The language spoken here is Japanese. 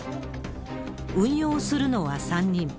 運用するのは３人。